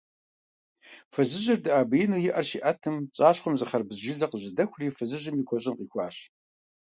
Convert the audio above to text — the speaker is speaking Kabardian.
Фызыжьыр дэӀэбеину и Ӏэр щиӀэтым, пцӀащхъуэм зы хъэрбыз жылэ къыжьэдэхури фызыжьым и куэщӀыым къихуащ.